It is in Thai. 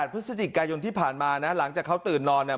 พฤศจิกายนที่ผ่านมานะหลังจากเขาตื่นนอนเนี่ย